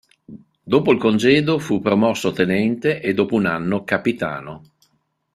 Dopo il congedo, fu promosso tenente e dopo un anno capitano.